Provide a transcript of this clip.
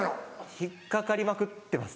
引っ掛かりまくってます。